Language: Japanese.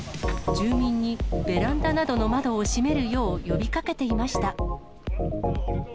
住民にベランダなどの窓を閉めるよう呼びかけていました。